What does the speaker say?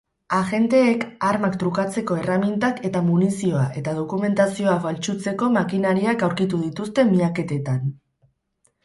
Agenteek armak trukatzeko erremintak eta munizioa eta dokumentazioa faltsutzeko makinariak aurkitu dituzte miaketetan.